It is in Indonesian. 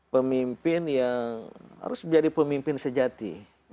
pemimpin yang harus menjadi pemimpin sejati